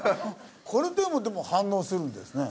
これでも反応するんですね。